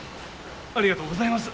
ありがとうございます！